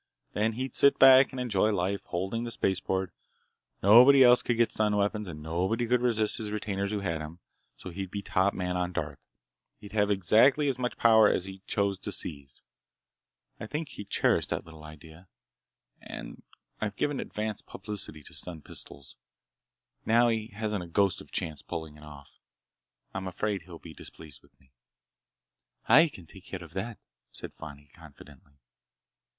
Then he'd sit back and enjoy life. Holding the spaceport, nobody else could get stun weapons, and nobody could resist his retainers who had 'em. So he'd be top man on Darth. He'd have exactly as much power as he chose to seize. I think he cherished that little idea,—and I've given advance publicity to stun pistols. Now he hasn't a ghost of a chance of pulling it off. I'm afraid he'll be displeased with me." "I can take care of that!" said Fani confidently.